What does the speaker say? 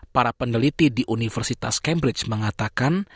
para peneliti di universitas cambridge mengatakan